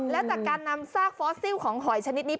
และจากการนำซากฟอสซิลของหอยชนิดนี้